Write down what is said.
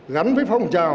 gắn với phong trào